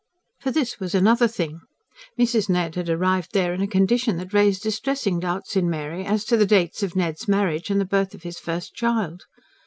For this was another thing: Mrs. Ned had arrived there in a condition that raised distressing doubts in Mary as to the dates of Ned's marriage and the birth of his first child.